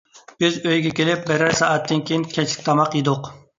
بىز ئۆيگە كېلىپ، بىرەر سائەتتىن كېيىن كەچلىك تاماق يېدۇق.